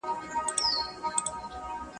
کوڅه دربی سپى څوک نه خوري.